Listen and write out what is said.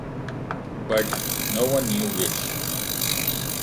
But no one knew which.